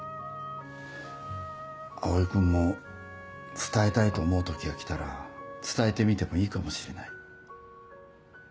蒼君も伝えたいと思う時がきたら伝えてみてもいいかもしれない。